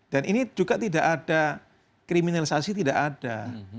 dan ini juga tidak ada kriminalisasi tidak ada